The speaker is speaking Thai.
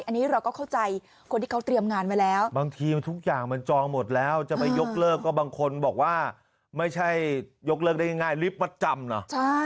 อันนี้เราก็เข้าใจคนที่เขาเตรียมงานไว้แล้วบางทีทุกอย่างมันจองหมดแล้วจะไปยกเลิกก็บางคนบอกว่าไม่ใช่ยกเลิกได้ง่ายลิฟต์มัดจำนะ